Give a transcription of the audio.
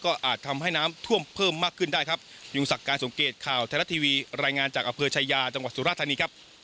ก็อาจทำให้น้ำท่วมเพิ่มมากขึ้นได้ครับ